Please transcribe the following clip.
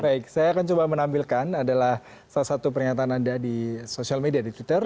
baik saya akan coba menampilkan adalah salah satu pernyataan anda di sosial media di twitter